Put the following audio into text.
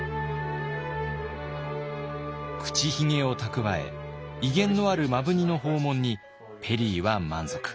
口ひげを蓄え威厳のある摩文仁の訪問にペリーは満足。